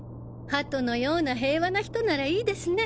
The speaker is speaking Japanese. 鳩のような平和な人ならいいですね！